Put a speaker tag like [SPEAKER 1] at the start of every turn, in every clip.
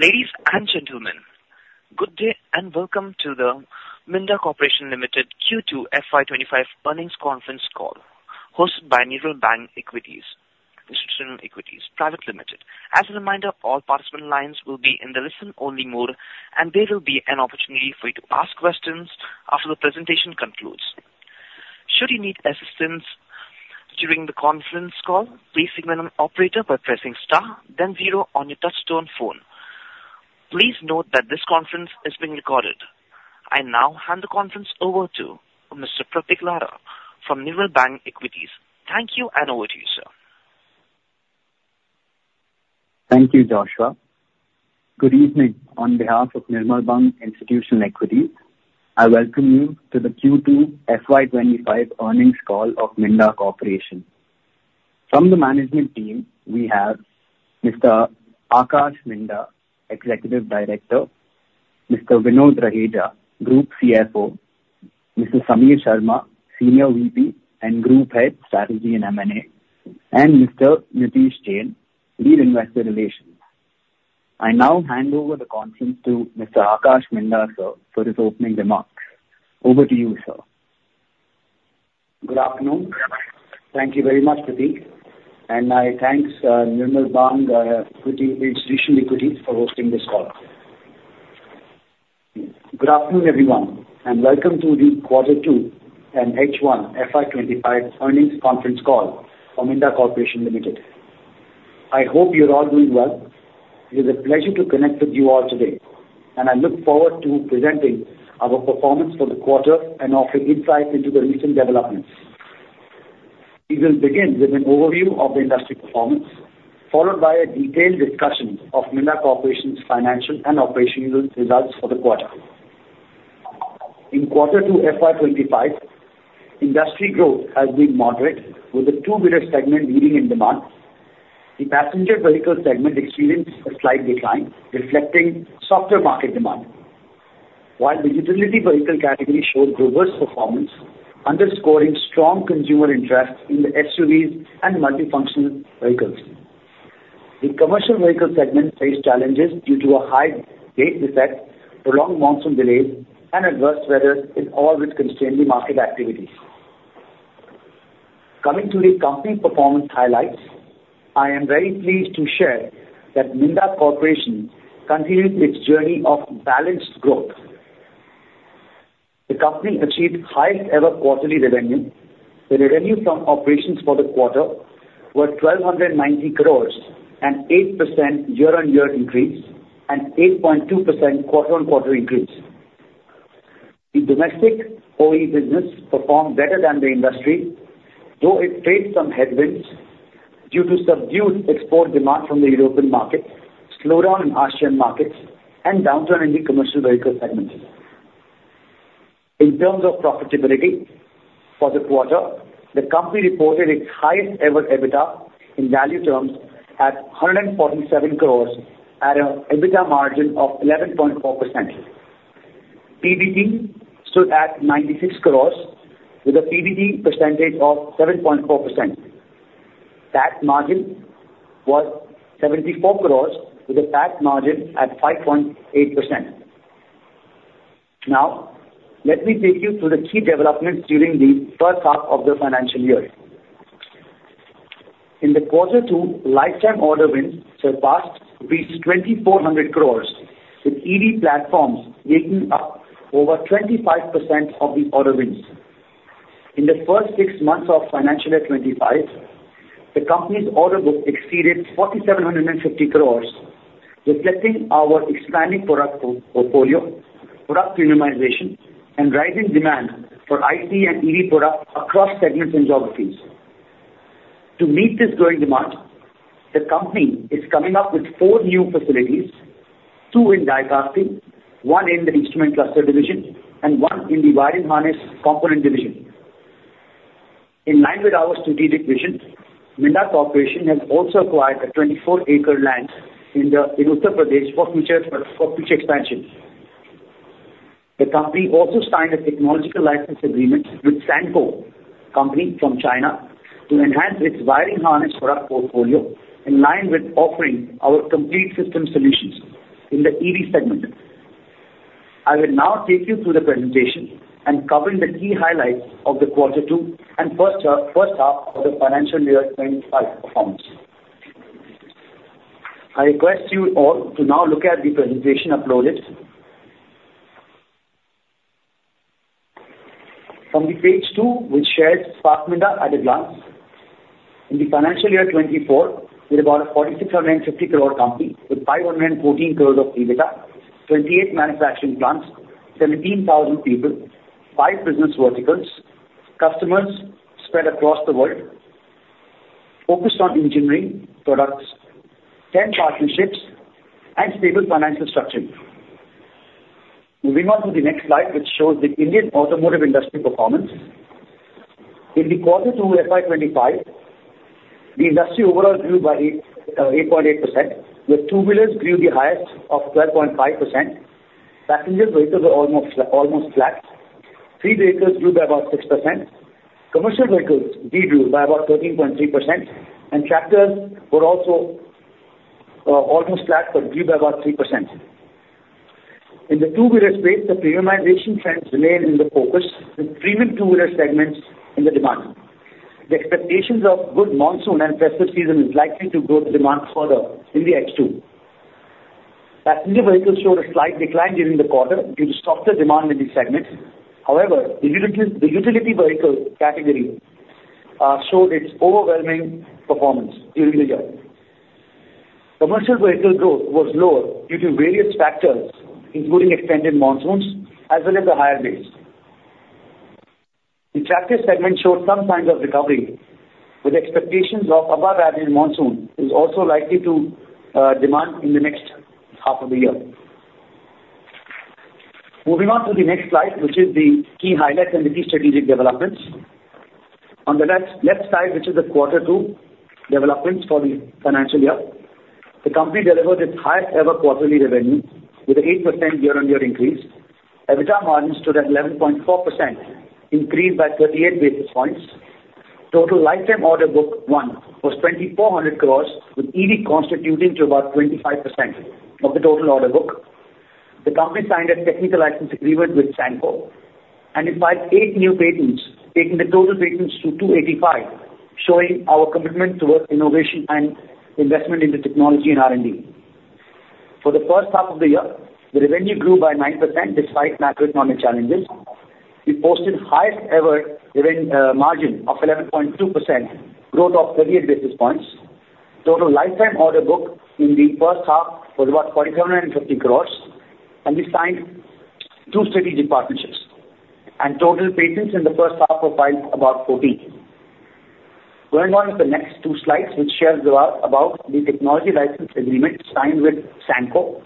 [SPEAKER 1] Ladies and gentlemen, good day and welcome to the Minda Corporation Limited Q2 FY25 earnings conference call, hosted by Nirmal Bang Institutional Equities Private Limited. As a reminder, all participant lines will be in the listen-only mode, and there will be an opportunity for you to ask questions after the presentation concludes. Should you need assistance during the conference call, please signal an operator by pressing star, then zero on your touch-tone phone. Please note that this conference is being recorded. I now hand the conference over to Mr. Prateek Ladha from Nirmal Bang Equities. Thank you, and over to you, sir.
[SPEAKER 2] Thank you, Joshua. Good evening. On behalf of Nirmal Bang Institutional Equities, I welcome you to the Q2 FY25 earnings call of Minda Corporation. From the management team, we have Mr. Aakash Minda, Executive Director, Mr. Vinod Raheja, Group CFO, Mr. Sameer Sharma, Senior VP and Group Head, Strategy and M&A, and Mr. Nitish Jain, Lead Investor Relations. I now hand over the conference to Mr. Aakash Minda, sir, for his opening remarks. Over to you, sir. Good afternoon.
[SPEAKER 3] Thank you very much, Prateek. And I thank Nirmal Bang Institutional Equities for hosting this call. Good afternoon, everyone, and welcome to the Quarter 2 and H1 FY25 earnings conference call for Minda Corporation Limited. I hope you're all doing well. It is a pleasure to connect with you all today, and I look forward to presenting our performance for the quarter and offering insights into the recent developments. We will begin with an overview of the industry performance, followed by a detailed discussion of Minda Corporation's financial and operational results for the quarter. In Quarter 2 FY25, industry growth has been moderate, with the two-wheeler segment leading in demand. The passenger vehicle segment experienced a slight decline, reflecting softer market demand, while the utility vehicle category showed robust performance, underscoring strong consumer interest in the SUVs and multifunctional vehicles. The commercial vehicle segment faced challenges due to a high gate effect, prolonged monsoon delays, and adverse weather, all which constrained the market activity. Coming to the company performance highlights, I am very pleased to share that Minda Corporation continued its journey of balanced growth. The company achieved highest-ever quarterly revenue. The revenue from operations for the quarter was 1,290 crores, an 8% year-on-year increase and 8.2% quarter-on-quarter increase. The domestic OE business performed better than the industry, though it faced some headwinds due to subdued export demand from the European market, slowdown in Asian markets, and downturn in the commercial vehicle segment. In terms of profitability for the quarter, the company reported its highest-ever EBITDA in value terms at 147 crores, at an EBITDA margin of 11.4%. PBT stood at 96 crores, with a PBT percentage of 7.4%. Pat margin was 74 crores, with a PAT margin at 5.8%. Now, let me take you through the key developments during the first half of the financial year. In the Quarter 2, lifetime order wins surpassed 2,400 crores, with EV platforms yielding up over 25% of the order wins. In the first six months of financial year 2025, the company's order book exceeded 4,750 crores, reflecting our expanding product portfolio, premiumization, and rising demand for ITS and EV products across segments and geographies. To meet this growing demand, the company is coming up with four new facilities: two in die-casting, one in the instrument cluster division, and one in the wiring harness component division. In line with our strategic vision, Minda Corporation has also acquired the 24-acre land in Uttar Pradesh for future expansion. The company also signed a technical license agreement with Sanco Company from China to enhance its wiring harness product portfolio, in line with offering our complete system solutions in the EV segment. I will now take you through the presentation and cover the key highlights of the Quarter 2 and first half of the financial year 2025 performance. I request you all to now look at the presentation uploaded. From the page 2, we shared Spark Minda at a glance. In the financial year 2024, we're about a 4,650 crore company with 514 crores of EBITDA, 28 manufacturing plants, 17,000 people, five business verticals, customers spread across the world, focused on engineering products, 10 partnerships, and stable financial structure. Moving on to the next slide, which shows the Indian automotive industry performance. In the Quarter 2 FY25, the industry overall grew by 8.8%, with two-wheelers grew the highest of 12.5%, passenger vehicles were almost flat, three-wheelers grew by about 6%, commercial vehicles did grow by about 13.3%, and tractors were also almost flat but grew by about 3%. In the two-wheeler space, the premiumization trends remain in the focus, with premium two-wheeler segments in the demand. The expectations of good monsoon and festive season is likely to grow the demand further in the H2. Passenger vehicles showed a slight decline during the quarter due to softer demand in the segment. However, the utility vehicle category showed its overwhelming performance during the year. Commercial vehicle growth was lower due to various factors, including extended monsoons as well as the higher winds. The tractor segment showed some signs of recovery, with expectations of above-average monsoons is also likely to demand in the next half of the year. Moving on to the next slide, which is the key highlights and the key strategic developments. On the left side, which is the Quarter 2 developments for the financial year, the company delivered its highest-ever quarterly revenue, with an 8% year-on-year increase. EBITDA margin stood at 11.4%, increased by 38 basis points. Total lifetime order book won was 2,400 crores, with EV constituting to about 25% of the total order book. The company signed a technical license agreement with Sanco and filed eight new patents, taking the total patents to 285, showing our commitment toward innovation and investment into technology and R&D. For the first half of the year, the revenue grew by 9% despite macroeconomic challenges. We posted highest-ever margin of 11.2%, growth of 38 basis points. Total lifetime order book in the first half was about 4,750 crores, and we signed two strategic partnerships, and total patents in the first half were filed about 14. Going on to the next two slides, which shares about the technology license agreement signed with Sanco.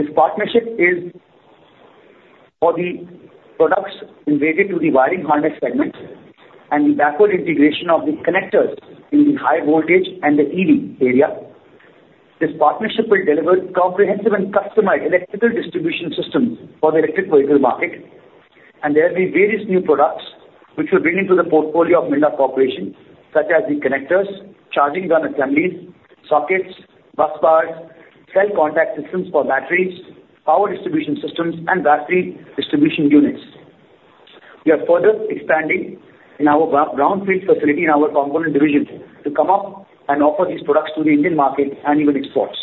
[SPEAKER 3] This partnership is for the products related to the wiring harness segment and the backward integration of the connectors in the high voltage and the EV area. This partnership will deliver comprehensive and customized electrical distribution systems for the electric vehicle market, and there will be various new products which will bring into the portfolio of Minda Corporation, such as the connectors, charging gun assemblies, sockets, bus bars, cell contact systems for batteries, power distribution systems, and battery distribution units. We are further expanding in our brownfield facility in our component division to come up and offer these products to the Indian market and even exports.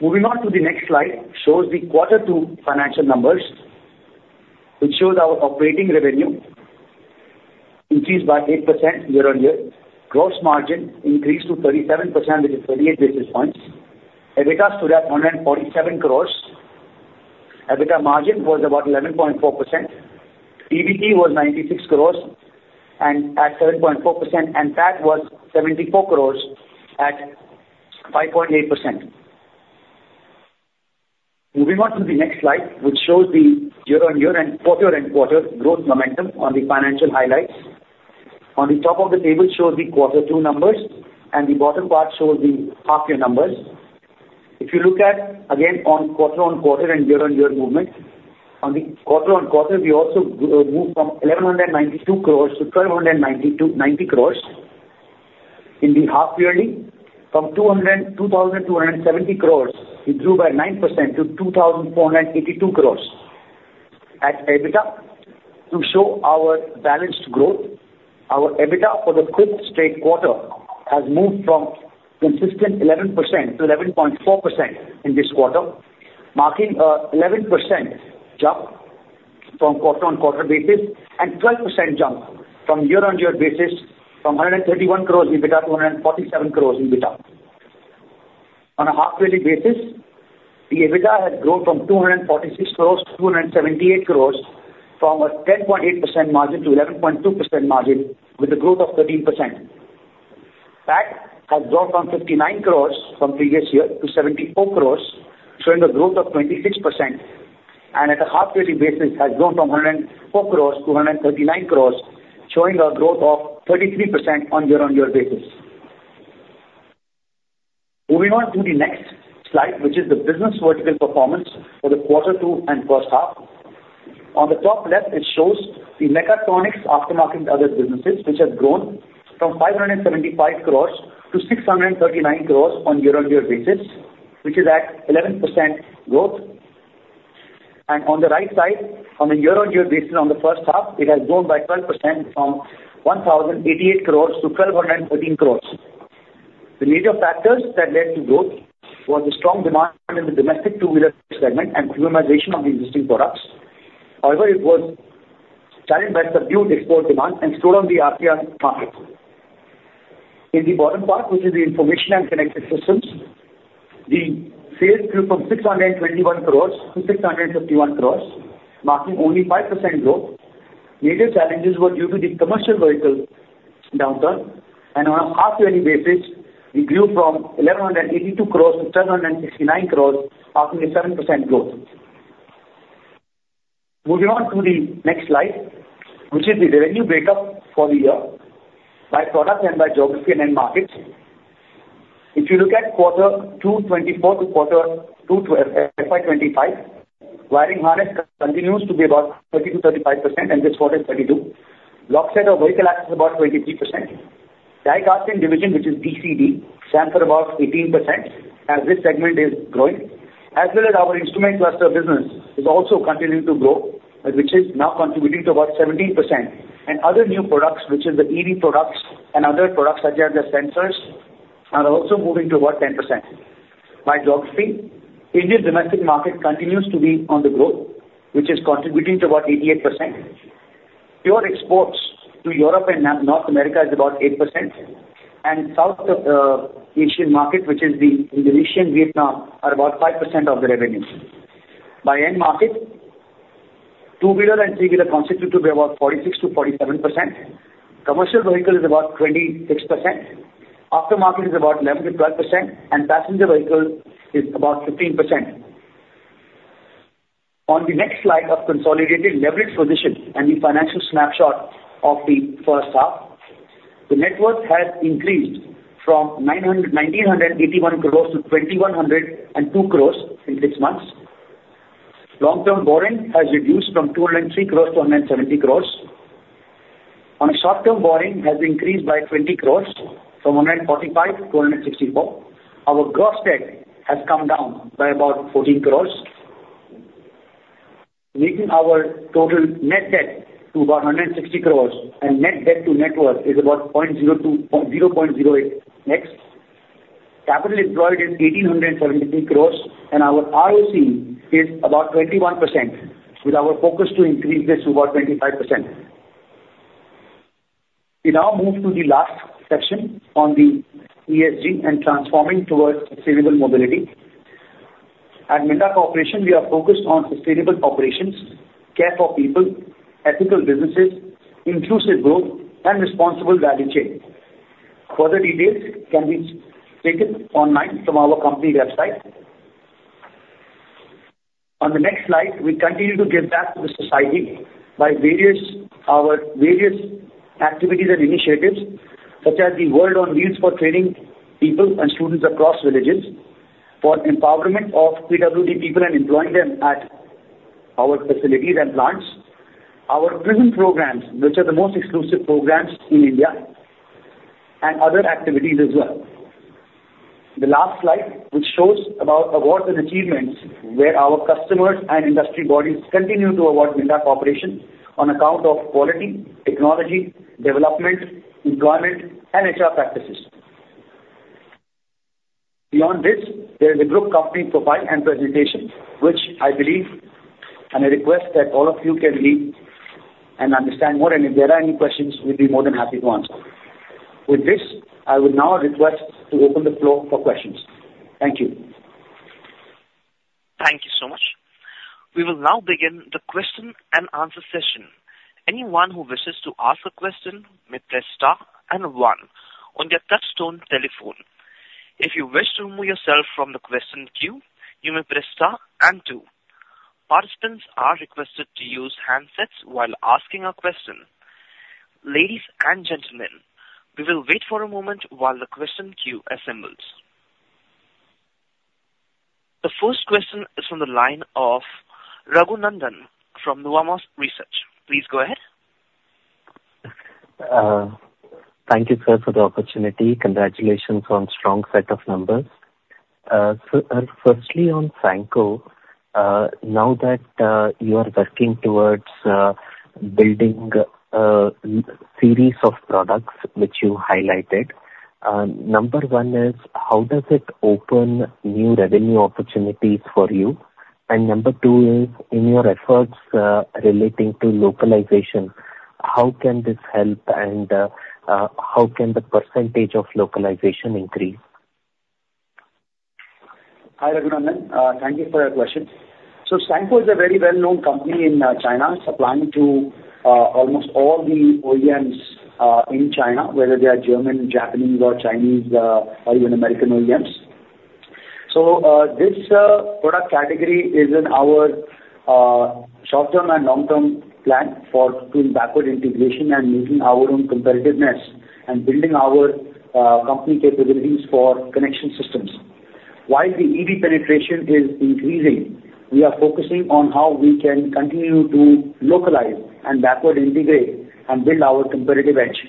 [SPEAKER 3] Moving on to the next slide shows the Quarter 2 financial numbers, which shows our operating revenue increased by 8% year-on-year. Gross margin increased to 37%, which is 38 basis points. EBITDA stood at 147 crores. EBITDA margin was about 11.4%. PBT was 96 crores at 7.4%, and PAT was 74 crores at 5.8%. Moving on to the next slide, which shows the year-on-year and quarter-on-quarter growth momentum on the financial highlights. On the top of the table shows the Quarter 2 numbers, and the bottom part shows the half-year numbers. If you look at, again, on quarter-on-quarter and year-on-year movement, on the quarter-on-quarter, we also moved from 1,192 crores to 1,292.90 crores. In the half-yearly, from 2,270 crores, we grew by 9% to 2,482 crores at EBITDA. To show our balanced growth, our EBITDA for the fifth straight quarter has moved from consistent 11% to 11.4% in this quarter, marking an 11% jump from quarter-on-quarter basis and a 12% jump from year-on-year basis from 131 crores EBITDA to 147 crores EBITDA. On a half-yearly basis, the EBITDA has grown from 246 crores to 278 crores, from a 10.8% margin to 11.2% margin, with a growth of 13%. PAT has grown from 59 crores from previous year to 74 crores, showing a growth of 26%, and at a half-yearly basis has grown from 104 crores to 139 crores, showing a growth of 33% on year-on-year basis. Moving on to the next slide, which is the business vertical performance for the Quarter 2 and first half. On the top left, it shows the mechatronics aftermarket and other businesses, which have grown from 575 crores to 639 crores on year-on-year basis, which is at 11% growth, and on the right side, on a year-on-year basis on the first half, it has grown by 12% from 1,088 crores to 1,213 crores. The major factors that led to growth were the strong demand in the domestic two-wheeler segment and premiumization of the existing products. However, it was challenged by subdued export demand and slowed on the RTR market. In the bottom part, which is the information and connected systems, the sales grew from 621 crores to 651 crores, marking only 5% growth. Major challenges were due to the commercial vehicle downturn, and on a half-yearly basis, we grew from 1,182 crores to 1,269 crores, marking a 7% growth. Moving on to the next slide, which is the revenue breakup for the year by product and by geography and markets. If you look at Quarter 2 2024 to Quarter 2 2025, wiring harness continues to be about 30%-35%, and this quarter is 32%. Lock set of vehicle access is about 23%. Die-casting division, which is DCD, stands for about 18%, as this segment is growing, as well as our instrument cluster business is also continuing to grow, which is now contributing to about 17%. Other new products, which are the EV products and other products such as the sensors, are also moving to about 10%. By geography, India's domestic market continues to be on the growth, which is contributing to about 88%. Pure exports to Europe and North America is about 8%, and South Asian market, which is the Indonesia and Vietnam, are about 5% of the revenue. By end market, two-wheeler and three-wheeler constitute to be about 46%-47%. Commercial vehicle is about 26%. Aftermarket is about 11%-12%, and passenger vehicle is about 15%. On the next slide of consolidated leverage position and the financial snapshot of the first half, the net worth has increased from 1,981 crores to 2,102 crores in six months. Long-term borrowing has reduced from 203 crores to 170 crores. On a short-term borrowing, it has increased by 20 crores, from 145 to 164. Our gross debt has come down by about 14 crores, making our total net debt to about 160 crores, and net debt to net worth is about 0.08x. Capital employed is 1,873 crores, and our ROC is about 21%, with our focus to increase this to about 25%. We now move to the last section on the ESG and transforming towards sustainable mobility. At Minda Corporation, we are focused on sustainable operations, care for people, ethical businesses, inclusive growth, and responsible value chain. Further details can be taken online from our company website. On the next slide, we continue to give back to the society by our various activities and initiatives, such as the World on Wheels for training people and students across villages for empowerment of PWD people and employing them at our facilities and plants, our prison programs, which are the most exclusive programs in India, and other activities as well. The last slide, which shows about awards and achievements, where our customers and industry bodies continue to award Minda Corporation on account of quality, technology, development, employment, and HR practices. Beyond this, there is a group company profile and presentation, which I believe, and I request that all of you can read and understand more, and if there are any questions, we'll be more than happy to answer. With this, I would now request to open the floor for questions. Thank you.
[SPEAKER 1] Thank you so much. We will now begin the question and answer session. Anyone who wishes to ask a question may press star and one on their touch-tone telephone. If you wish to remove yourself from the question queue, you may press star and two. Participants are requested to use handsets while asking a question. Ladies and gentlemen, we will wait for a moment while the question queue assembles. The first question is from the line of Raghunandhan from Nuvama Research. Please go ahead.
[SPEAKER 4] Thank you, sir, for the opportunity. Congratulations on a strong set of numbers. Firstly, on Sanco, now that you are working towards building a series of products, which you highlighted, number one is, how does it open new revenue opportunities for you? And number two is, in your efforts relating to localization, how can this help, and how can the percentage of localization increase?
[SPEAKER 3] Hi Raghunandhan. Thank you for your question. So Sanco is a very well-known company in China. It's supplying to almost all the OEMs in China, whether they are German, Japanese, or Chinese, or even American OEMs. So this product category is in our short-term and long-term plan for doing backward integration and meeting our own competitiveness and building our company capabilities for connection systems. While the EV penetration is increasing, we are focusing on how we can continue to localize and backward integrate and build our competitive edge.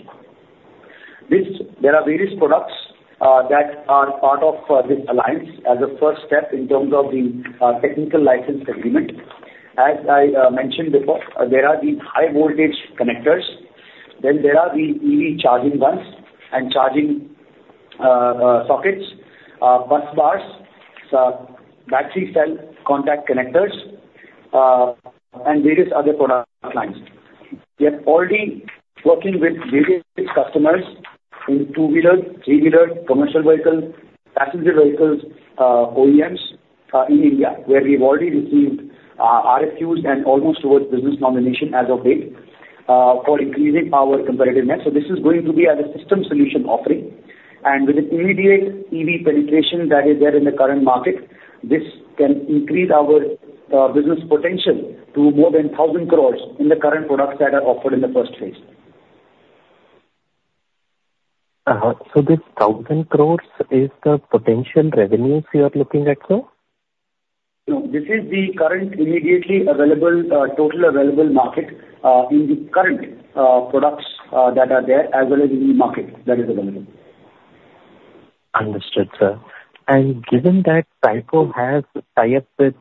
[SPEAKER 3] There are various products that are part of this alliance as a first step in terms of the technical license agreement. As I mentioned before, there are the high-voltage connectors, then there are the EV charging guns and charging sockets, bus bars, battery cell contact connectors, and various other product lines. We are already working with various customers in two-wheeler, three-wheeler, commercial vehicle, passenger vehicles OEMs in India, where we've already received RFQs and almost towards business nomination as of date for increasing our competitiveness. So this is going to be as a system solution offering. And with the immediate EV penetration that is there in the current market, this can increase our business potential to more than 1,000 crores in the current products that are offered in the first phase.
[SPEAKER 4] So this 1,000 crores is the potential revenues you are looking at, sir?
[SPEAKER 3] No, this is the current immediately available total available market in the current products that are there as well as in the market that is available.
[SPEAKER 4] Understood, sir. And given that Sanco has ties with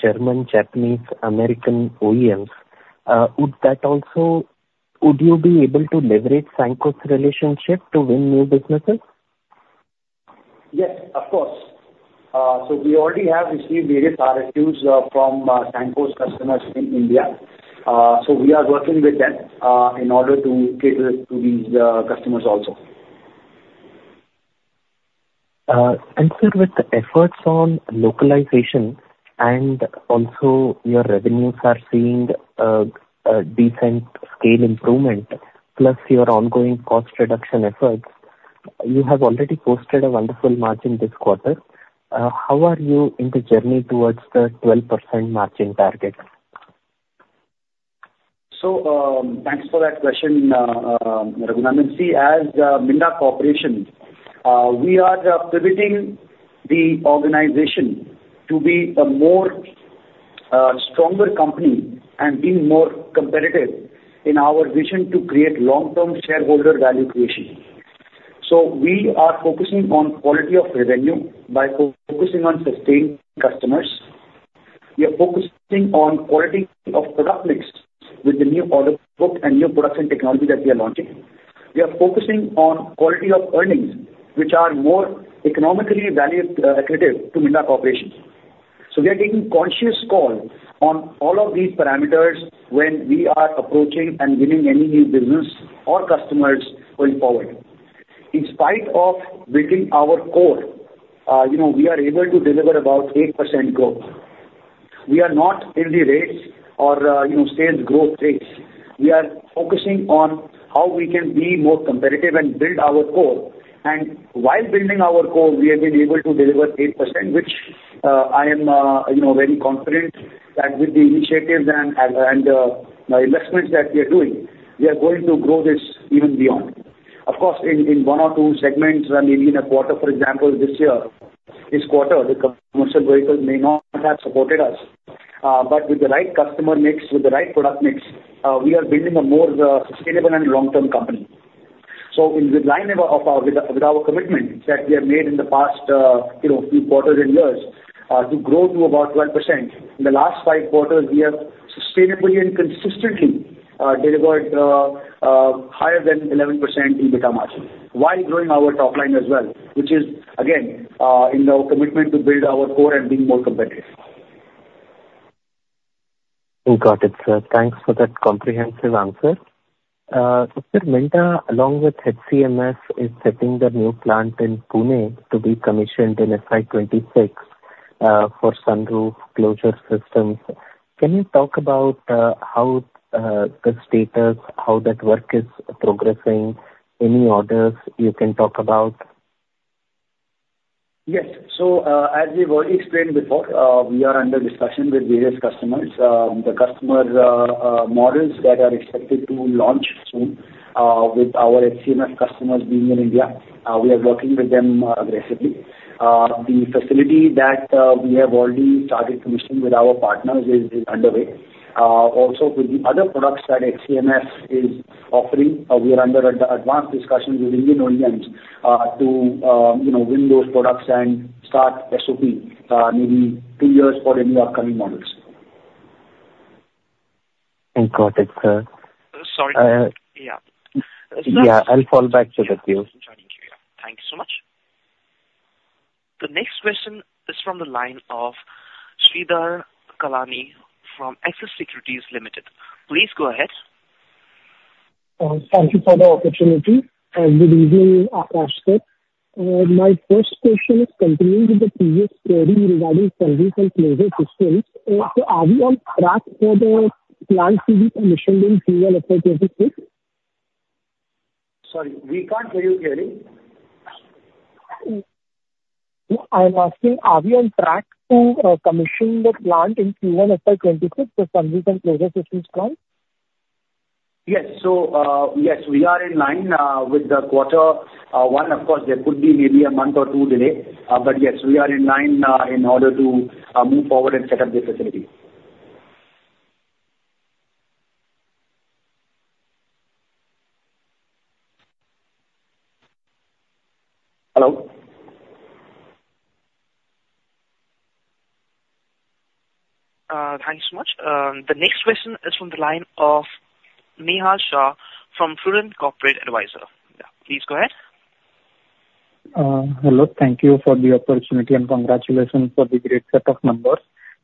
[SPEAKER 4] German, Japanese, American OEMs, would that also, would you be able to leverage Sanco's relationship to win new businesses?
[SPEAKER 3] Yes, of course. We already have received various RFQs from Sanco's customers in India. We are working with them in order to cater to these customers also.
[SPEAKER 4] Sir, with the efforts on localization and also your revenues are seeing a decent scale improvement, plus your ongoing cost reduction efforts, you have already posted a wonderful margin this quarter. How are you in the journey towards the 12% margin target?
[SPEAKER 3] Thanks for that question, Raghunandhan. See, as Minda Corporation, we are pivoting the organization to be a more stronger company and being more competitive in our vision to create long-term shareholder value creation. We are focusing on quality of revenue by focusing on sustained customers. We are focusing on quality of product mix with the new order book and new production technology that we are launching. We are focusing on quality of earnings, which are more economically value-accretive to Minda Corporation. So we are taking conscious calls on all of these parameters when we are approaching and winning any new business or customers going forward. In spite of building our core, we are able to deliver about 8% growth. We are not in the rates or sales growth rates. We are focusing on how we can be more competitive and build our core. And while building our core, we have been able to deliver 8%, which I am very confident that with the initiatives and investments that we are doing, we are going to grow this even beyond. Of course, in one or two segments, maybe in a quarter, for example, this year, this quarter, the commercial vehicles may not have supported us. But with the right customer mix, with the right product mix, we are building a more sustainable and long-term company. So in the line of our commitment that we have made in the past few quarters and years to grow to about 12%, in the last five quarters, we have sustainably and consistently delivered higher than 11% EBITDA margin while growing our top line as well, which is, again, in the commitment to build our core and being more competitive. Got it, sir.
[SPEAKER 4] Thanks for that comprehensive answer. So sir, Minda, along with HCMF, is setting the new plant in Pune to be commissioned in FY 26 for sunroof closure systems. Can you talk about how the status, how that work is progressing? Any orders you can talk about?
[SPEAKER 3] Yes. So as we've already explained before, we are under discussion with various customers. The customer models that are expected to launch soon, with our HCMF customers being in India, we are working with them aggressively. The facility that we have already started commissioning with our partners is underway. Also, with the other products that HCMF is offering, we are under advanced discussions with Indian OEMs to win those products and start SOP maybe two years for any upcoming models.
[SPEAKER 4] Got it, sir.
[SPEAKER 3] Sorry. Yeah.
[SPEAKER 4] Yeah, I'll fall back to the queue.
[SPEAKER 3] Thank you so much.
[SPEAKER 1] The next question is from the line of Sridhar Kalani from Axis Securities Limited. Please go ahead.
[SPEAKER 5] Thank you for the opportunity. Good evening, Akash sir. My first question is continuing with the previous query regarding sunroof and closure systems. So are we on track for the plant to be commissioned in Q1 FY26?
[SPEAKER 3] Sorry, we can't hear you clearly.
[SPEAKER 5] I'm asking, are we on track to commission the plant in Q1 FY 26 for sunroof and closure systems plant?
[SPEAKER 3] Yes. So yes, we are in line with the quarter one. Of course, there could be maybe a month or two delay. But yes, we are in line in order to move forward and set up the facility. Hello.
[SPEAKER 1] Thank you so much. The next question is from the line of Nihal Shah from Prudent Corporate Advisory Services. Yeah, please go ahead.
[SPEAKER 6] Hello. Thank you for the opportunity and congratulations for the great set of numbers.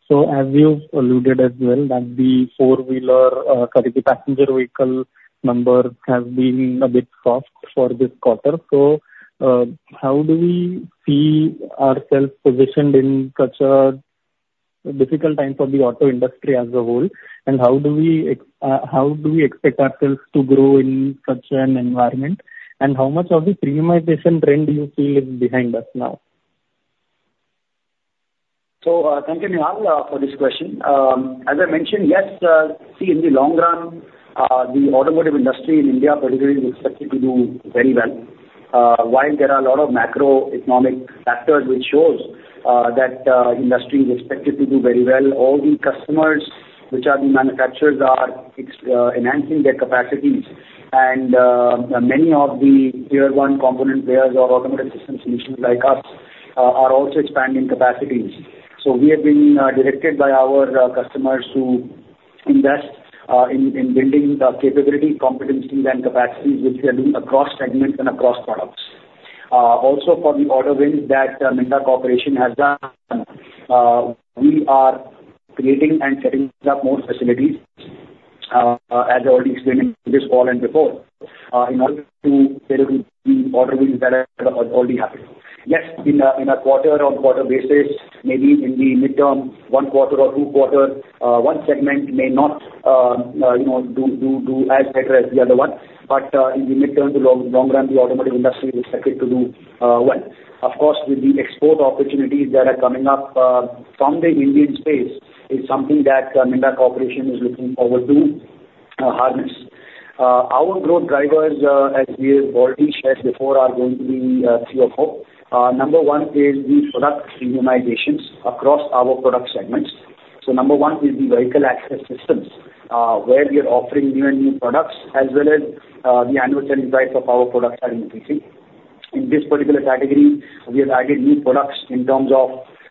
[SPEAKER 6] So as you've alluded as well, that the four-wheeler passenger vehicle number has been a bit soft for this quarter. So how do we see ourselves positioned in such a difficult time for the auto industry as a whole? And how do we expect ourselves to grow in such an environment? And how much of the premiumization trend do you feel is behind us now?
[SPEAKER 3] So thank you, Nihal, for this question. As I mentioned, yes, see, in the long run, the automotive industry in India particularly is expected to do very well. While there are a lot of macroeconomic factors which show that the industry is expected to do very well, all the customers which are the manufacturers are enhancing their capacities. And many of the Tier-1 component players or automotive system solutions like us are also expanding capacities. So we have been directed by our customers to invest in building the capability, competencies, and capacities which we are doing across segments and across products. Also, for the order wins that Minda Corporation has done, we are creating and setting up more facilities, as I already explained this all and before, in order to be able to do the order wins that are already happening. Yes, in a quarter-on-quarter basis, maybe in the midterm, one quarter or two quarters, one segment may not do as better as the other one. But in the midterm to long run, the automotive industry is expected to do well. Of course, with the export opportunities that are coming up from the Indian space, it's something that Minda Corporation is looking forward to harness. Our growth drivers, as we have already shared before, are going to be three or four. Number one is the product premiumizations across our product segments. So number one is the vehicle access systems, where we are offering new and new products, as well as the annual sales drive of our products are increasing. In this particular category, we have added new products in terms of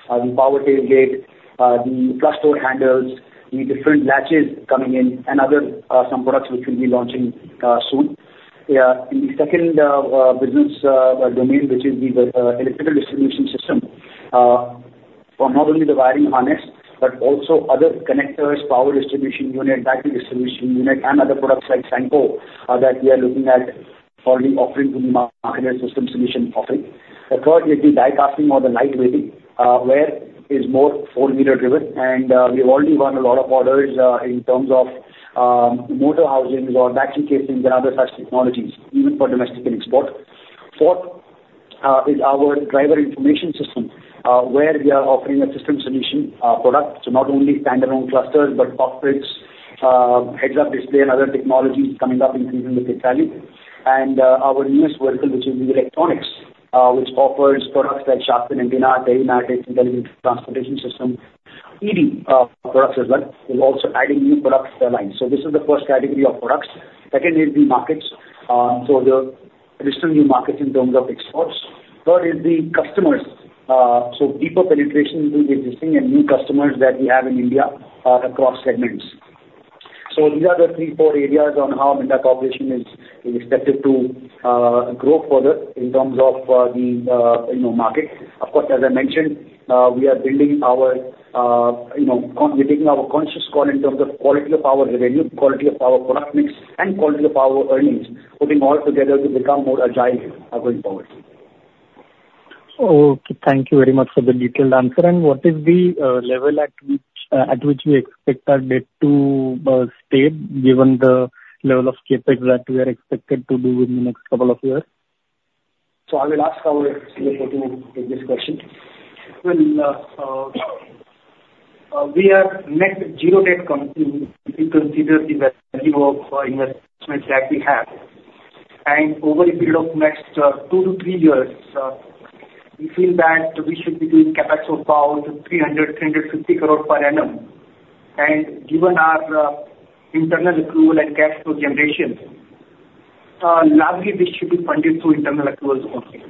[SPEAKER 3] the power tailgate, the cluster handles, the different latches coming in, and other some products which will be launching soon. In the second business domain, which is the electrical distribution system, for not only the wiring harness, but also other connectors, power distribution unit, battery distribution unit, and other products like Sanco that we are looking at already offering to the market as system solution offering. The third is the die-casting or the lightweighting, where it's more four-wheeler driven, and we've already won a lot of orders in terms of motor housings or battery casings and other such technologies, even for domestic export. Fourth is our driver information system, where we are offering a system solution product to not only standalone clusters, but cockpits, heads-up display, and other technologies coming up in the future with the value. And our newest vertical, which is the electronics, which offers products like shark fin antenna, telematics, intelligent transportation system, EV products as well. We're also adding new products to the line. So this is the first category of products. Second is the markets. So the additional new markets in terms of exports. Third is the customers. So deeper penetration to the existing and new customers that we have in India across segments. So these are the three, four areas on how Minda Corporation is expected to grow further in terms of the market. Of course, as I mentioned, we're taking our conscious call in terms of quality of our revenue, quality of our product mix, and quality of our earnings, putting all together to become more agile going forward.
[SPEAKER 6] Okay. Thank you very much for the detailed answer. What is the level at which we expect our debt to stay, given the level of CapEx that we are expected to do in the next couple of years?
[SPEAKER 3] So I will ask our CFO for this question. Well, we are net zero debt company. We consider the value of investment that we have. And over the period of next two to three years, we feel that we should be doing CapEx of about 300-350 crores per annum. And given our internal accrual and cash flow generation, largely this should be funded through internal accruals only.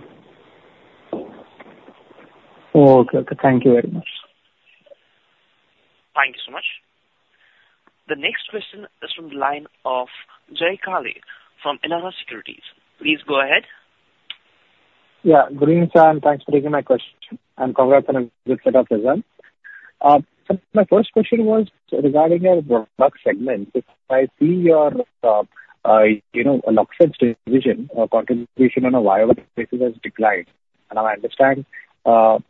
[SPEAKER 6] Okay. Okay. Thank you very much.
[SPEAKER 1] Thank you so much. The next question is from the line of Jay Kale from Elara Securities. Please go ahead.
[SPEAKER 7] Yeah. Good evening, sir. And thanks for taking my question. And congrats on a good set-up as well. So my first question was regarding your product segment. I see your Lockset division contribution on a YoY basis has declined. And I understand that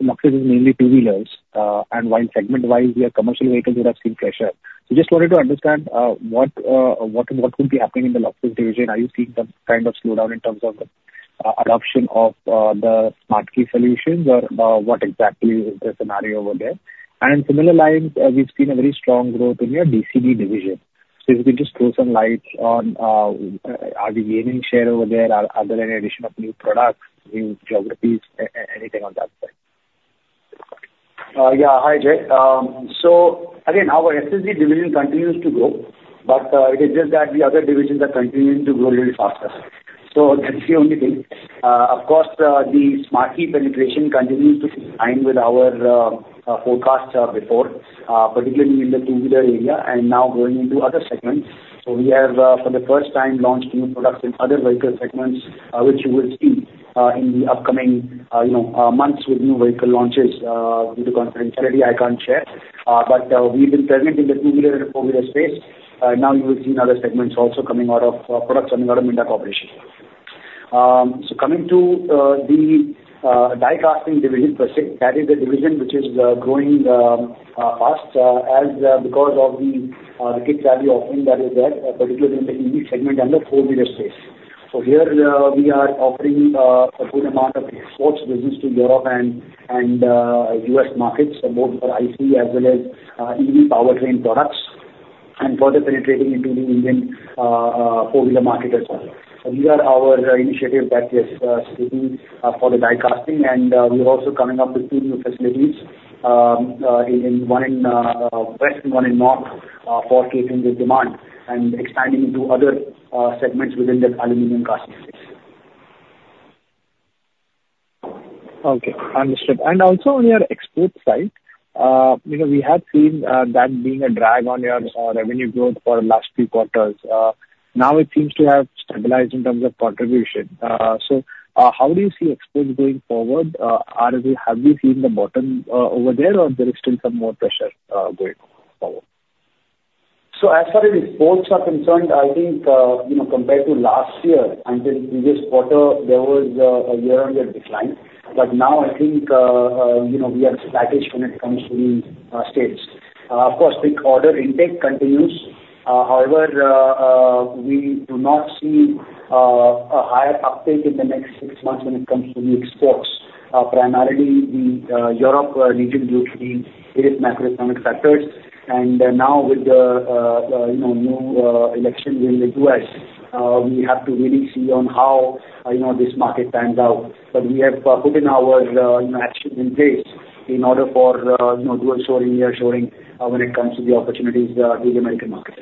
[SPEAKER 7] Luxus is mainly two-wheelers. And while segment-wise, we have commercial vehicles that have seen pressure. So just wanted to understand what could be happening in the Lockset division. Are you seeing some kind of slowdown in terms of adoption of the smart key solutions, or what exactly is the scenario over there? And in similar lines, we've seen a very strong growth in your DCD division. So if you can just throw some light on, are we gaining share over there? Are there any additional new products, new geographies, anything on that side?
[SPEAKER 3] Yeah. Hi, Jay. So again, our SSD division continues to grow, but it is just that the other divisions are continuing to grow really fast. So that's the only thing. Of course, the smart key penetration continues to align with our forecast before, particularly in the two-wheeler area and now going into other segments. So we have, for the first time, launched new products in other vehicle segments, which you will see in the upcoming months with new vehicle launches. Due to confidentiality, I can't share. But we've been present in the two-wheeler and four-wheeler space. Now you will see in other segments also coming out of products coming out of Minda Corporation. So coming to the Die-Casting Division per se, that is the division which is growing fast because of the key value offering that is there, particularly in the EV segment and the four-wheeler space. So here, we are offering a good amount of export business to Europe and U.S. markets, both for IC as well as EV powertrain products, and further penetrating into the Indian four-wheeler market as well. So these are our initiatives that we are setting for the die-casting. And we are also coming up with two new facilities, one in west and one in north, forcing the demand and expanding into other segments within the aluminum casting space.
[SPEAKER 7] Okay. Understood. And also on your export side, we have seen that being a drag on your revenue growth for the last few quarters. Now it seems to have stabilized in terms of contribution. So how do you see exports going forward? Have you seen the bottom over there, or there is still some more pressure going forward?
[SPEAKER 3] So as far as exports are concerned, I think compared to last year until previous quarter, there was a year-on-year decline. But now I think we are flatish when it comes to these states. Of course, the order intake continues. However, we do not see a higher uptake in the next six months when it comes to the exports. Primarily, the Europe region due to the biggest macroeconomic factors. And now with the new election in the U.S., we have to really see on how this market pans out. But we have put our actions in place in order for dual shoring, near shoring when it comes to the opportunities in the American market.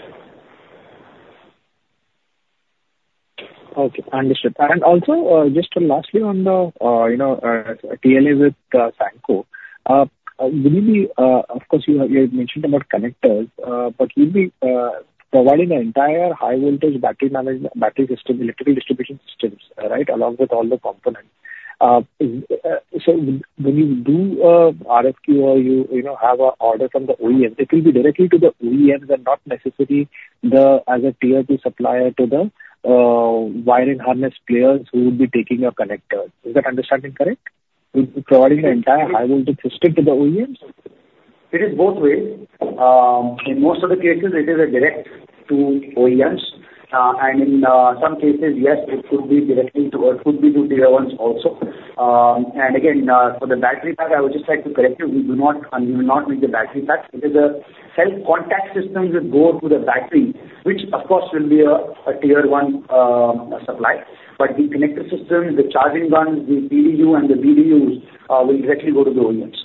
[SPEAKER 7] Okay. Understood. And also, just lastly, on the TLA with Sanco, of course, you had mentioned about connectors, but you'll be providing an entire high-voltage battery management system, electrical distribution systems, right, along with all the components. So when you do RFQ or you have an order from the OEMs, it will be directly to the OEMs and not necessarily as a tier-two supplier to the wiring harness players who will be taking your connectors. Is that understanding correct? Providing an entire high-voltage system to the OEMs?
[SPEAKER 3] It is both ways. In most of the cases, it is a direct to OEMs. And in some cases, yes, it could be directly to or it could be to tier-ones also. And again, for the battery pack, I would just like to correct you. We do not need the battery pack. It is a cell contact system that goes to the battery, which, of course, will be a Tier-1 supply. But the connector system, the charging guns, the PDU, and the BDUs will directly go to the OEMs.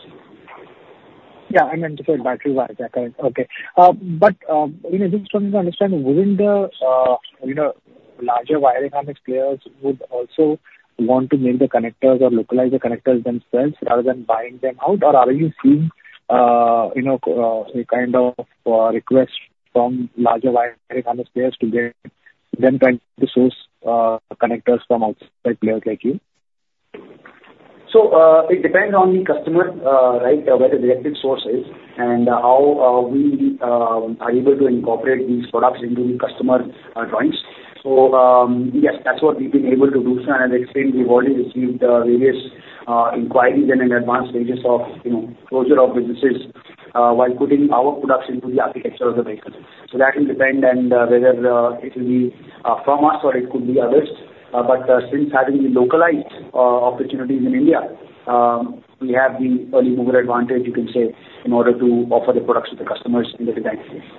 [SPEAKER 7] Yeah. I meant to say battery wiring pack. Okay. But just trying to understand, wouldn't the larger wiring harness players would also want to make the connectors or localize the connectors themselves rather than buying them out? Or are you seeing a kind of request from larger wiring harness players to get them trying to source connectors from outside players like you?
[SPEAKER 3] So it depends on the customer, right, where the direct source is and how we are able to incorporate these products into the customer's drawings. So yes, that's what we've been able to do. As I explained, we've already received various inquiries and advanced stages of closure of businesses while putting our products into the architecture of the vehicle. So that will depend on whether it will be from us or it could be others. But since having the localized opportunities in India, we have the early mover advantage, you can say, in order to offer the products to the customers in the design space.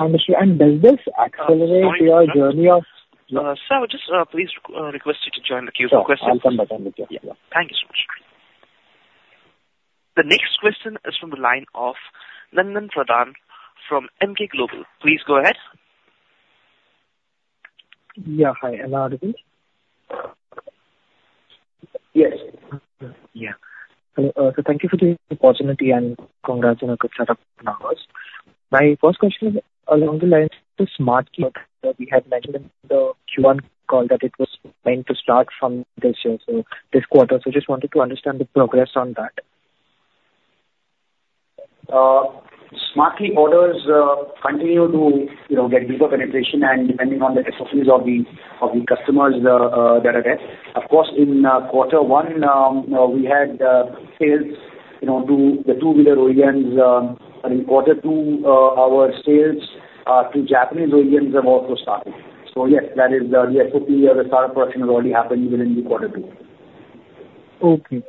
[SPEAKER 7] Understood. And does this accelerate your journey of?
[SPEAKER 1] Sir, just please request you to join the queue for questions.
[SPEAKER 7] Sure. I'll jump right in with you. Yeah.
[SPEAKER 1] Thank you so much. The next question is from the line of Nandan Pradhan from Emkay Global. Please go ahead.
[SPEAKER 8] Yeah. Hi. Hello. Yes. Yeah. So thank you for the opportunity and congrats on a good setup now. My first question is along the lines of the smart key that we had mentioned in the Q1 call that it was meant to start from this year, so this quarter. So I just wanted to understand the progress on that.
[SPEAKER 3] Smart key orders continue to get deeper penetration and depending on the SOPs of the customers that are there. Of course, in quarter one, we had sales to the two-wheeler OEMs. And in quarter two, our sales to Japanese OEMs have also started. So yes, that is the SOP or the startup production has already happened within the quarter two.
[SPEAKER 8] Okay. And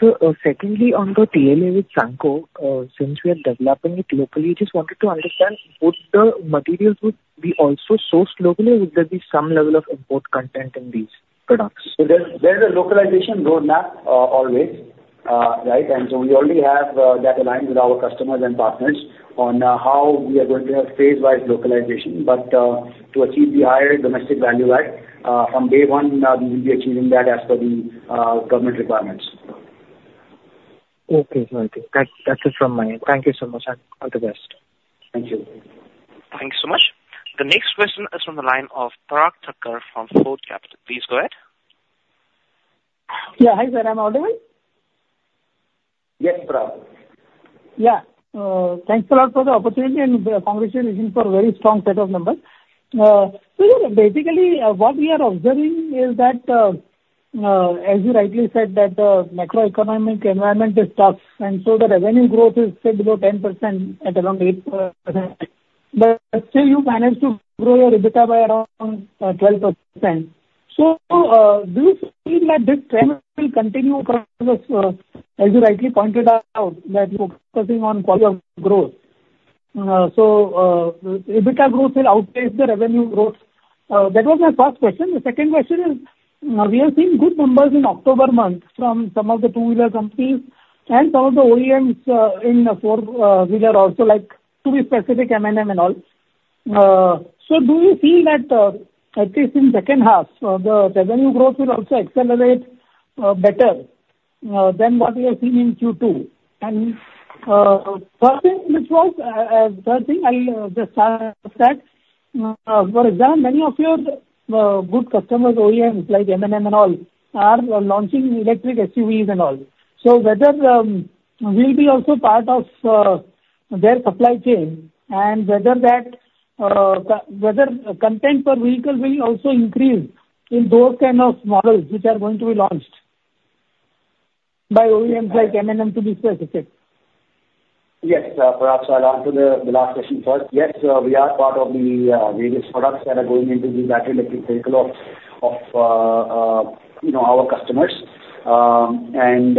[SPEAKER 8] so secondly, on the TLA with Sanco, since we are developing it locally, I just wanted to understand, would the materials be also sourced locally or would there be some level of import content in these products?
[SPEAKER 3] So there's a localization roadmap always, right? And so we already have that aligned with our customers and partners on how we are going to have phase-wise localization. But to achieve the higher domestic value add, from day one, we will be achieving that as per the government requirements.
[SPEAKER 8] Okay. All right. That's it from my end. Thank you so much, sir. All the best.
[SPEAKER 3] Thank you.
[SPEAKER 1] Thank you so much. The next question is from the line of Parag Thakkar from Fort Capital. Please go ahead.
[SPEAKER 9] Yeah. Hi, sir. I'm audible?
[SPEAKER 3] Yes, Parag.
[SPEAKER 9] Yeah. Thanks a lot for the opportunity and congratulations for a very strong set of numbers. So basically, what we are observing is that, as you rightly said, that the macroeconomic environment is tough. And so the revenue growth is still below 10% at around 8%. But still, you managed to grow your EBITDA by around 12%. So do you feel that this trend will continue? Because as you rightly pointed out, that focusing on quality of growth, so EBITDA growth will outpace the revenue growth. That was my first question. The second question is, we have seen good numbers in October month from some of the two-wheeler companies and some of the OEMs in the four-wheeler also, like to be specific, M&M and all. So do you feel that, at least in the second half, the revenue growth will also accelerate better than what we have seen in Q2? And third thing, I'll just start with that. For example, many of your good customers, OEMs like M&M and all, are launching electric SUVs and all. So whether we'll be also part of their supply chain and whether that content per vehicle will also increase in those kind of models which are going to be launched by OEMs like M&M, to be specific?
[SPEAKER 3] Yes. Perhaps I'll answer the last question first. Yes, we are part of the various products that are going into the battery electric vehicle of our customers. And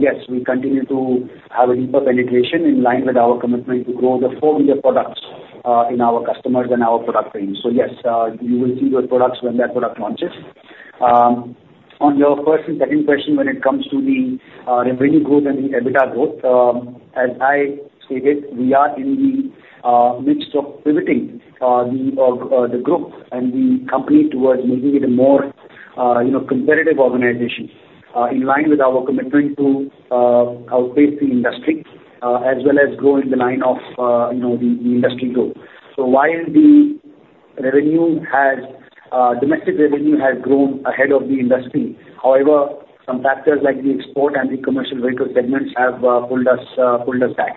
[SPEAKER 3] yes, we continue to have a deeper penetration in line with our commitment to grow the four-wheeler products in our customers and our product range. So yes, you will see those products when that product launches. On your first and second question, when it comes to the revenue growth and the EBITDA growth, as I stated, we are in the midst of pivoting the group and the company towards making it a more competitive organization in line with our commitment to outpace the industry as well as grow in the line of the industry growth. So while the domestic revenue has grown ahead of the industry, however, some factors like the export and the commercial vehicle segments have pulled us back.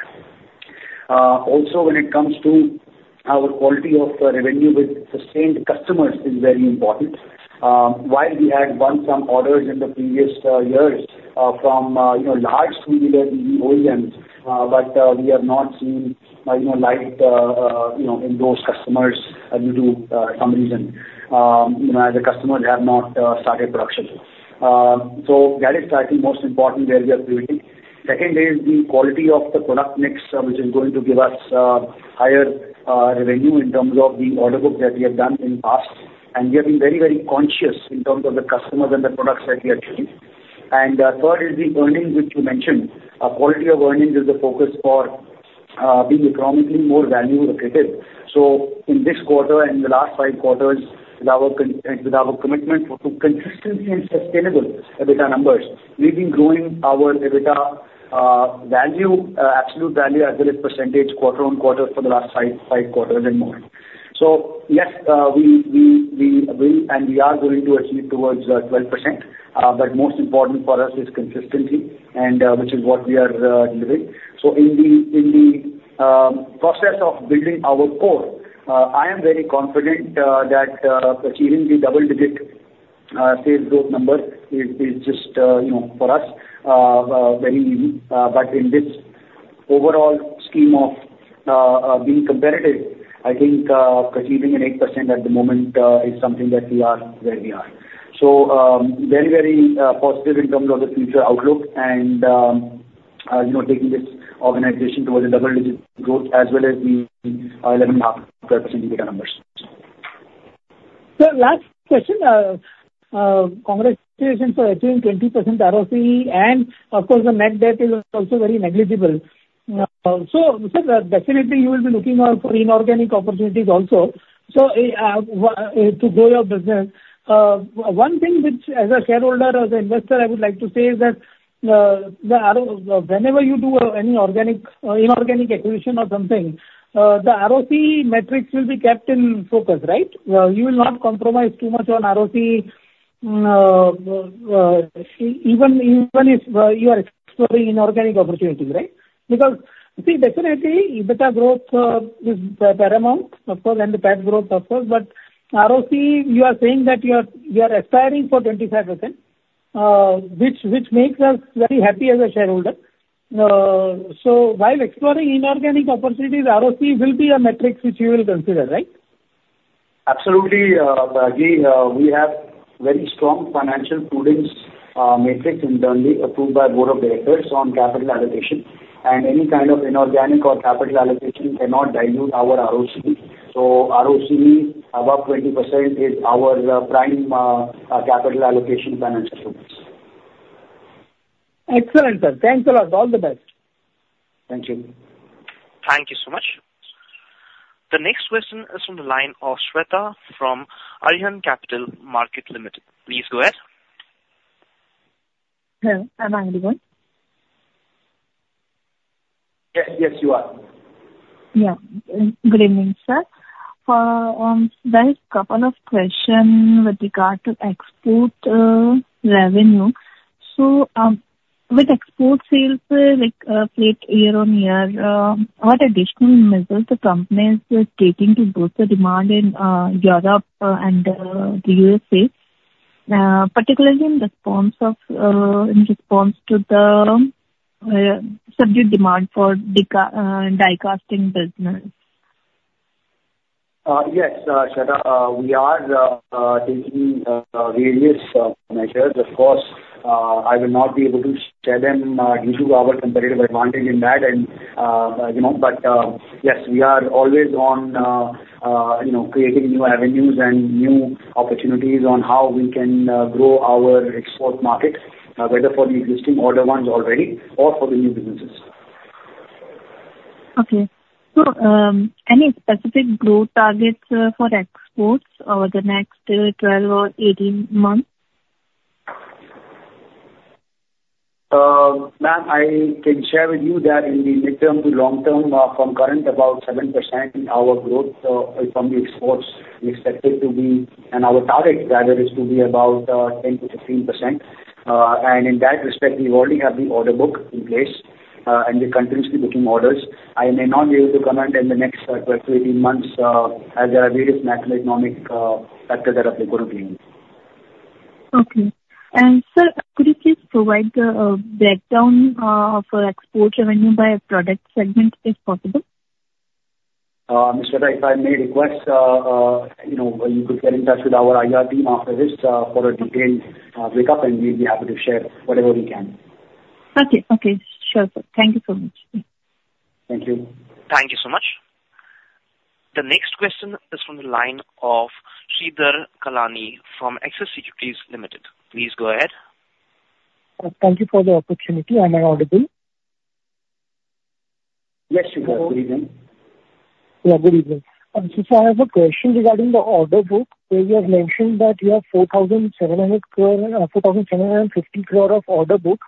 [SPEAKER 3] Also, when it comes to our quality of revenue with sustained customers, it's very important. While we had won some orders in the previous years from large two-wheeler EV OEMs, but we have not seen light in those customers due to some reason, as the customers have not started production. So that is, I think, most important where we are pivoting. Second is the quality of the product mix, which is going to give us higher revenue in terms of the order book that we have done in the past. And we have been very, very conscious in terms of the customers and the products that we are choosing. And third is the earnings, which you mentioned. Quality of earnings is the focus for being economically more value-related. So in this quarter and in the last five quarters, with our commitment to consistency and sustainable EBITDA numbers, we've been growing our EBITDA value, absolute value, as well as percentage quarter on quarter for the last five quarters and more. So yes, we will and we are going to achieve towards 12%. But most important for us is consistency, which is what we are delivering. So in the process of building our core, I am very confident that achieving the double-digit sales growth number is just, for us, very easy. But in this overall scheme of being competitive, I think achieving an 8% at the moment is something that we are where we are. So very, very positive in terms of the future outlook and taking this organization towards a double-digit growth as well as the 11.5% EBITDA numbers.
[SPEAKER 9] So last question. Congratulations for achieving 20% ROCE. And of course, the net debt is also very negligible. So definitely, you will be looking out for inorganic opportunities also. So to grow your business, one thing which, as a shareholder, as an investor, I would like to say is that whenever you do any inorganic acquisition or something, the ROCE metrics will be kept in focus, right? You will not compromise too much on ROCE, even if you are exploring inorganic opportunities, right? Because see, definitely, EBITDA growth is paramount, of course, and the PBT growth, of course. But ROCE, you are saying that you are aspiring for 25%, which makes us very happy as a shareholder. So while exploring inorganic opportunities, ROCE will be a metric which you will consider, right?
[SPEAKER 3] Absolutely. Again, we have very strong financial prudence matrix internally approved by the Board of Directors on capital allocation. And any kind of inorganic or capital allocation cannot dilute our ROCE. So ROCE above 20% is our prime capital allocation financial rules.
[SPEAKER 9] Excellent, sir. Thanks a lot. All the best. Thank you.
[SPEAKER 1] Thank you so much. The next question is from the line of Shweta from Arihant Capital Markets. Please go ahead.
[SPEAKER 10] Hello. Am I on the audible?
[SPEAKER 3] Yes, yes, you are.
[SPEAKER 10] Yeah. Good evening, sir. There's a couple of questions with regard to export revenue. So with export sales, like year on year, what additional measures the company is taking to boost the demand in Europe and the U.S., particularly in response to the subject demand for die-casting business?
[SPEAKER 3] Yes, Shweta. We are taking various measures. Of course, I will not be able to share them due to our competitive advantage in that. But yes, we are always on creating new avenues and new opportunities on how we can grow our export market, whether for the existing older ones already or for the new businesses.
[SPEAKER 10] Okay. So any specific growth targets for exports over the next 12 or 18 months?
[SPEAKER 3] Ma'am, I can share with you that in the mid- to long-term, from current, about 7% our growth from the exports is expected to be, and our target target is to be about 10%-15%. And in that respect, we already have the order book in place, and we're continuously booking orders. I may not be able to comment in the next 12-18 months as there are various macroeconomic factors that are going to be in place.
[SPEAKER 10] Okay. And sir, could you please provide the breakdown of export revenue by product segment, if possible?
[SPEAKER 3] Ms. Shweta, if I may request, you could get in touch with our IR team after this for a detailed breakdown, and we'll be happy to share whatever we can.
[SPEAKER 10] Okay. Okay. Sure, sir. Thank you so much.
[SPEAKER 3] Thank you.
[SPEAKER 1] Thank you so much. The next question is from the line of Sridhar Kalani from Axis Securities Limited. Please go ahead.
[SPEAKER 5] Thank you for the opportunity. Am I audible?
[SPEAKER 3] Yes, Sridhar. Good evening.
[SPEAKER 5] Yeah, good evening. So I have a question regarding the order book where you have mentioned that you have 4,750 crore of order book.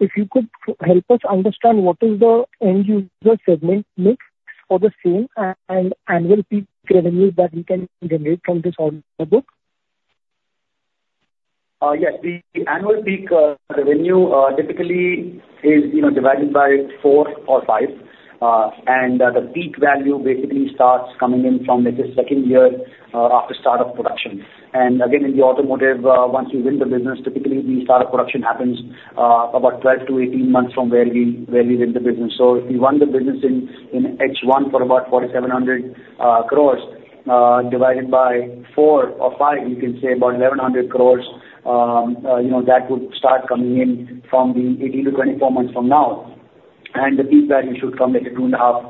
[SPEAKER 5] If you could help us understand what is the end user segment mix for the same and annual peak revenue that we can generate from this order book?
[SPEAKER 3] Yes. The annual peak revenue typically is divided by four or five. And the peak value basically starts coming in from the second year after start of production. And again, in the automotive, once you win the business, typically the start of production happens about 12-18 months from where we win the business. So if you won the business in H1 for about 4,700 crores divided by four or five, you can say about 1,100 crores. That would start coming in from the 18-24 months from now. And the peak value should come at two and a half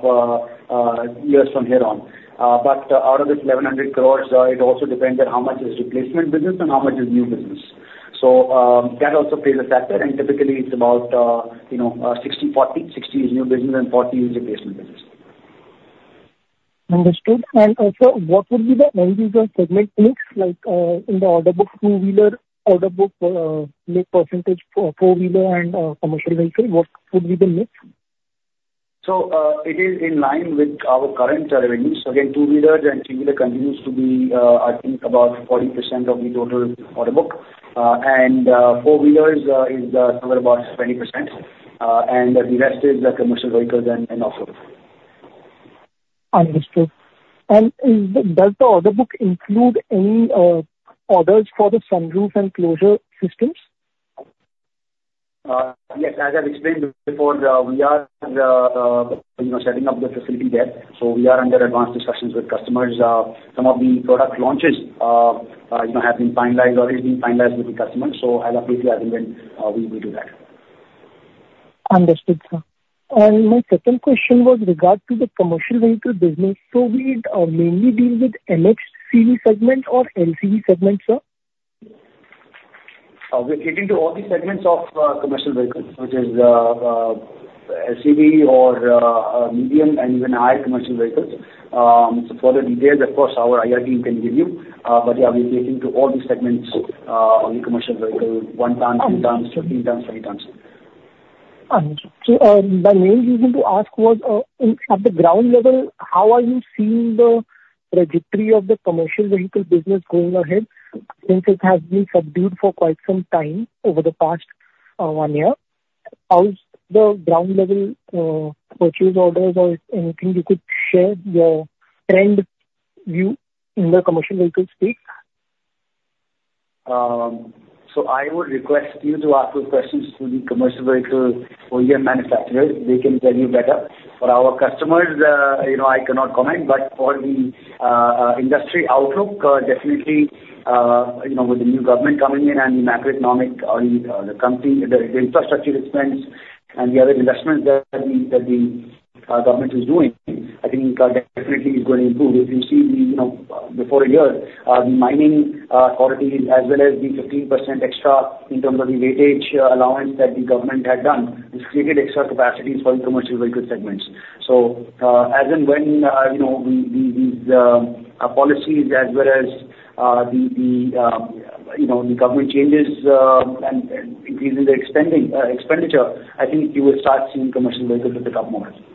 [SPEAKER 3] years from here on. But out of this 1,100 crores, it also depends on how much is replacement business and how much is new business. So that also plays a factor. And typically, it's about 60-40. 60 is new business and 40 is replacement business.
[SPEAKER 5] Understood. And also, what would be the end user segment mix in the order book, two-wheeler order book, percentage for four-wheeler and commercial vehicle? What would be the mix?
[SPEAKER 3] So it is in line with our current revenues. So again, two-wheelers and three-wheelers continues to be, I think, about 40% of the total order book. Four-wheelers is somewhere about 20%. The rest is the commercial vehicles and off-road. Understood. Does the order book include any orders for the sunroof and closure systems? Yes. As I've explained before, we are setting up the facility there. So we are under advanced discussions with customers. Some of the product launches have been finalized, always been finalized with the customers. So as of this year, we will do that.
[SPEAKER 5] Understood, sir. My second question was regarding the commercial vehicle business. So we mainly deal with MHCV segment or LCV segment, sir?
[SPEAKER 3] We're talking to all the segments of commercial vehicles, which is LCV or medium and even high commercial vehicles. So for the details, of course, our IR team can give you. But yeah, we're talking to all the segments, all the commercial vehicles, one time, two times, thirty times, twenty times.
[SPEAKER 5] Understood. My main reason to ask was, at the ground level, how are you seeing the trajectory of the commercial vehicle business going ahead since it has been subdued for quite some time over the past one year? How's the ground level purchase orders or anything you could share your trend view in the commercial vehicle space?
[SPEAKER 3] I would request you to ask the questions to the commercial vehicle OEM manufacturers. They can tell you better. For our customers, I cannot comment, but for the industry outlook, definitely, with the new government coming in and the macroeconomic, the infrastructure expense and the other investments that the government is doing, I think definitely is going to improve. If you see, before a year, the axle load norms, as well as the 15% extra in terms of the weightage allowance that the government had done, which created extra capacities for the commercial vehicle segments. So as and when these policies, as well as the government changes and increasing the expenditure, I think you will start seeing commercial vehicles pick up more.
[SPEAKER 5] Understood, sir.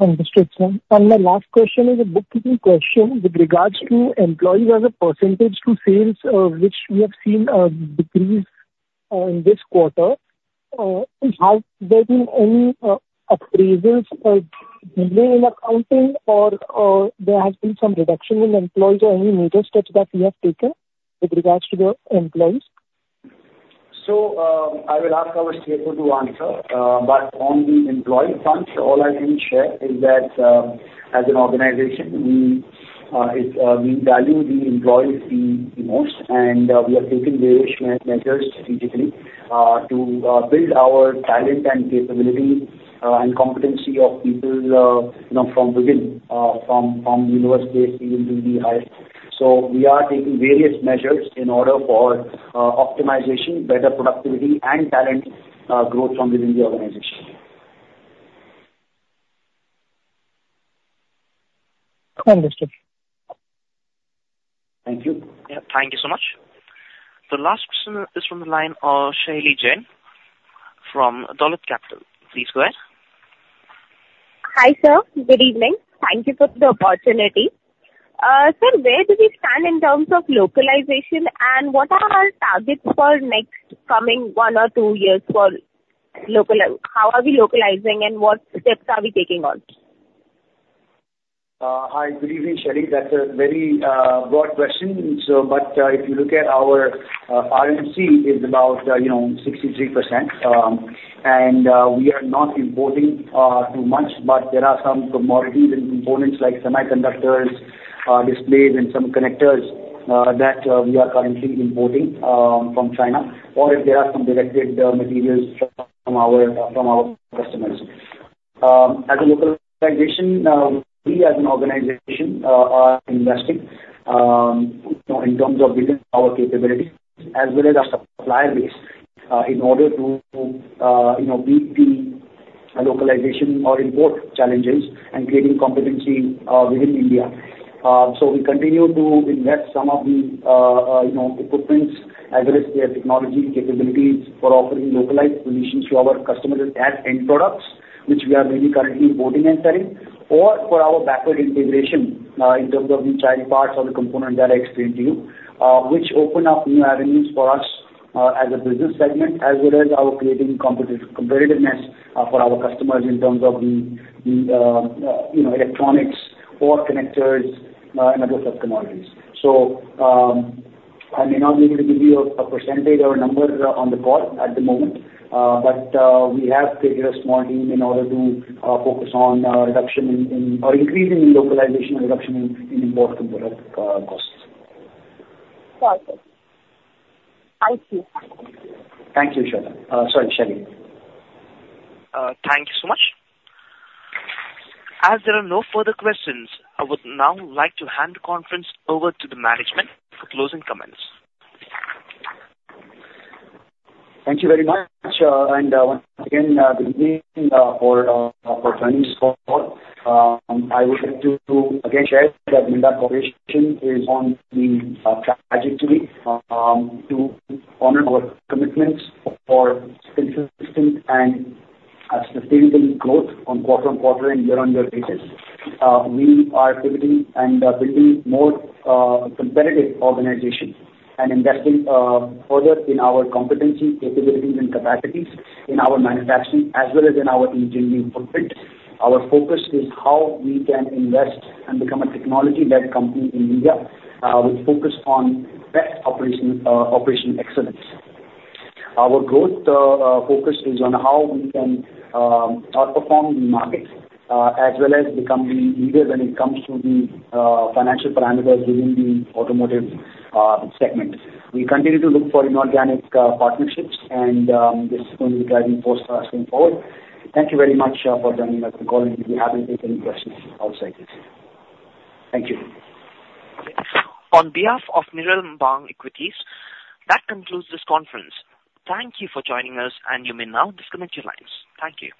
[SPEAKER 5] And my last question is a housekeeping question with regards to employees as a percentage to sales, which we have seen a decrease in this quarter. Have there been any appraisals mainly in accounting, or there has been some reduction in employees or any major steps that you have taken with regards to the employees?
[SPEAKER 3] So I will ask our CFO to answer. But on the employee front, all I can share is that, as an organization, we value the employees the most. And we have taken various measures strategically to build our talent and capability and competency of people from within, from university to the highest. So we are taking various measures in order for optimization, better productivity, and talent growth from within the organization.
[SPEAKER 5] Understood. Thank you.
[SPEAKER 1] Thank you so much. The last question is from the line of Shailly Jain from Dolat Capital. Please go ahead.
[SPEAKER 11] Hi, sir. Good evening. Thank you for the opportunity. Sir, where do we stand in terms of localization, and what are our targets for next coming one or two years? How are we localizing, and what steps are we taking on?
[SPEAKER 3] Hi. Good evening, Shailly. That's a very broad question. But if you look at our RMC, it's about 63%. We are not importing too much, but there are some commodities and components like semiconductors, displays, and some connectors that we are currently importing from China, or if there are some direct materials from our customers. As for localization, we as an organization are investing in terms of building our capabilities as well as our supplier base in order to meet the localization or import challenges and creating competency within India. So we continue to invest some of the equipment as well as their technology capabilities for offering localized solutions to our customers as end products, which we are mainly currently importing and selling, or for our backward integration in terms of the child parts or the components that I explained to you, which open up new avenues for us as a business segment as well as our creating competitiveness for our customers in terms of the electronics or connectors and other sub-commodities. So I may not be able to give you a percentage or a number on the call at the moment, but we have created a small team in order to focus on reduction in or increasing in localization and reduction in import component costs.
[SPEAKER 11] Got it. Thank you.
[SPEAKER 3] Thank you, Shweta. Sorry, Shailly.
[SPEAKER 1] Thank you so much. As there are no further questions, I would now like to hand the conference over to the management for closing comments.
[SPEAKER 3] Thank you very much, and once again, good evening for joining this call. I would like to again share that Minda Corporation is on the trajectory to honor our commitments for consistent and sustainable growth on quarter on quarter and year on year basis. We are pivoting and building more competitive organization and investing further in our competency, capabilities, and capacities in our manufacturing as well as in our engineering footprint. Our focus is how we can invest and become a technology-led company in India with focus on best operational excellence. Our growth focus is on how we can outperform the market as well as become the leader when it comes to the financial parameters within the automotive segment. We continue to look for inorganic partnerships, and this is going to be driving force for us going forward. Thank you very much for joining us in the call, and we have any questions outside this. Thank you.
[SPEAKER 1] On behalf of Nirmal Bang Equities, that concludes this conference. Thank you for joining us, and you may now disconnect your lines. Thank you.